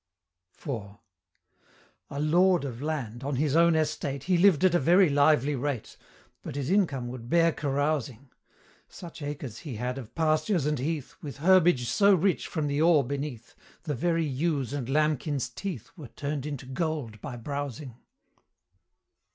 IV. A Lord of Land, on his own estate, He lived at a very lively rate, But his income would bear carousing; Such acres he had of pastures and heath, With herbage so rich from the ore beneath, The very ewe's and lambkin's teeth Were turn'd into gold by browsing.